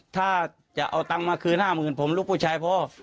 ถ้าจะเอาตังค์มาคืน๕๐๐๐ผมลูกผู้ชายพอ